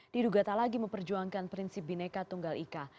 diduga tak lagi memperjuangkan prinsip bineka tunggal ika